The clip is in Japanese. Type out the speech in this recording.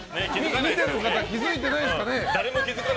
見てる方気づいてないですかね。